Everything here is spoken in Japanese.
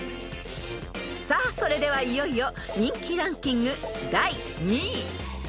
［さあそれではいよいよ人気ランキング第２位］